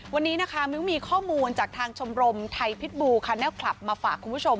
วันนี้นะคะมิ้วมีข้อมูลจากทางชมรมไทยพิษบูคาแนลคลับมาฝากคุณผู้ชม